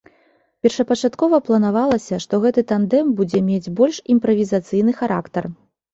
Першапачаткова планавалася, што гэты тандэм будзе мець больш імправізацыйны характар.